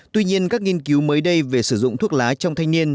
tuy nhiên các nghiên cứu mới đây về sử dụng thuốc lá trong thanh niên